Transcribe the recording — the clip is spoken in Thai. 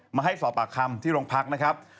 มาให้สอบปากคำที่โรงพักนะครับ